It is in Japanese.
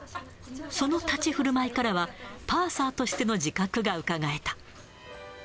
その立ち振る舞いからは、パーサーとしての自覚がうかがえた。